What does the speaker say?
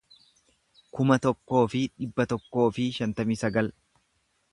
kuma tokkoo fi dhibba tokkoo fi shantamii sagal